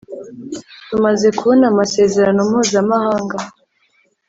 Tumaze kubona Amasezerano Mpuzamahanga